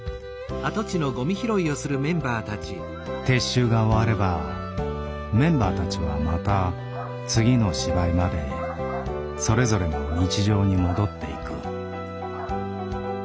撤収が終わればメンバーたちはまた次の芝居までそれぞれの日常に戻っていく。